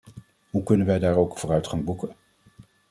Hoe kunnen wij ook daar vooruitgang boeken?